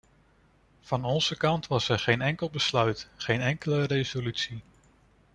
Van onze kant was er geen enkel besluit, geen enkele resolutie.